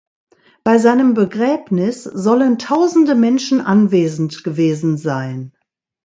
Bei seinem Begräbnis sollen tausende Menschen anwesend gewesen sein.